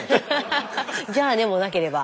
「じゃあね」もなければ。